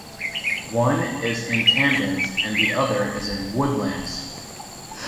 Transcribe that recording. One is in Tampines and the other is in Woodlands.